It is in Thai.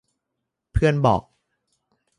เพื่อนบอก